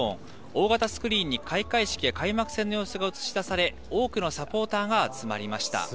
大型スクリーンに開会式や開幕戦の様子が映し出され、多くのサポーターが集まりました。